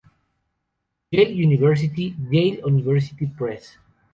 Yale University: Yale University Press.